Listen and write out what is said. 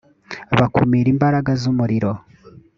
bakumira imbaraga z’umuriro